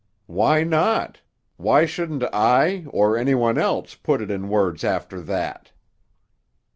"Why not? Why shouldn't I, or any one else, put it in words after that?"